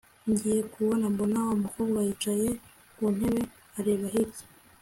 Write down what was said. ngiye kubona mbona wamukobwa yicaye kuntebe areba hirya